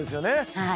はい。